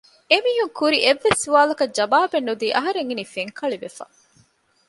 އެމީހުން ކުރި އެއްވެސް ސުވާލަކަށް ޖަވާބެއް ނުދީ އަހަރެން އިނީ ފެންކަޅިވެފަ